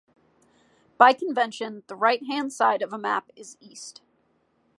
By convention, the right hand side of a map is east.